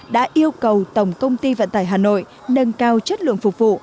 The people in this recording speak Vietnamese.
đã yêu cầu tổng công ty vận tải hà nội nâng cao chất lượng phục vụ